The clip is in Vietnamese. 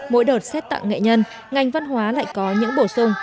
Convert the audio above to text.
mỗi đợt xét tặng nghệ nhân ngành văn hóa lại có những bổ sung